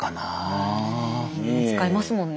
使いますもんね。